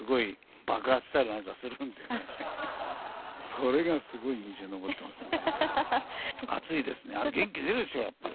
それがすごい印象に残ってますね。